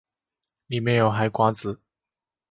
里面有海瓜子